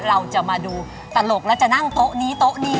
เราจะมาดูตลกแล้วจะนั่งโต๊ะนี้โต๊ะนี้